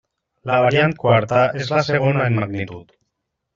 La variant quarta és la segona en magnitud.